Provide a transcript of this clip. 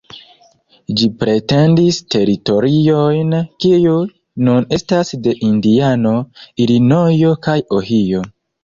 Ĝi pretendis teritoriojn, kiuj nun estas de Indiano, Ilinojo kaj Ohio.